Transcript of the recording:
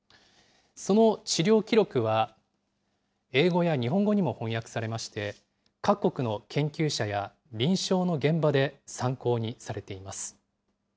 その治療記録は、英語や日本語にも翻訳されまして、各国の研究者や、臨床の現場で参考にされています。